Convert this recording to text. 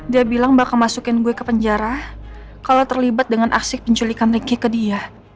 dia bilang bakal masukin gue ke penjara kalau terlibat dengan aksi penculikan ricky ke dia